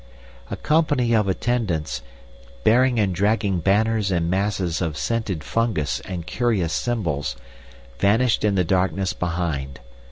A company of attendants, bearing and dragging banners and masses of scented fungus and curious symbols, vanished in the darkness behind.